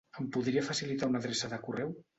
Em podria facilitar una adreça de correu?